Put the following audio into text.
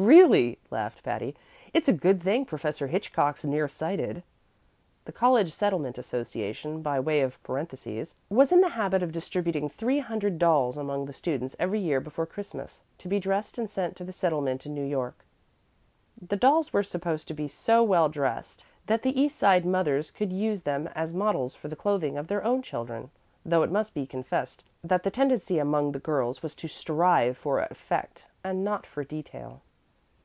"Really?" laughed Patty. "It's a good thing Professor Hitchcock's near sighted." The College Settlement Association, by way of parenthesis, was in the habit of distributing three hundred dolls among the students every year before Christmas, to be dressed and sent to the settlement in New York. The dolls were supposed to be so well dressed that the East Side mothers could use them as models for the clothing of their own children, though it must be confessed that the tendency among the girls was to strive for effect and not for detail.